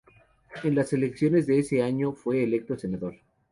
En las elecciones de ese año, fue electo senador.